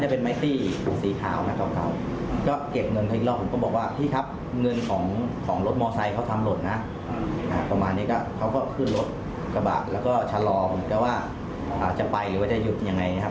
ผมก็ว่าจะไปหรือว่าจะหยุดอย่างไรครับ